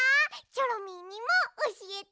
チョロミーにもおしえて！